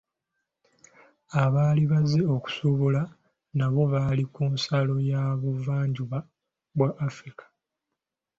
Abaali bazze okusuubula n'abo abaalI ku nsalo y'obuvanjuba bwa Afrika.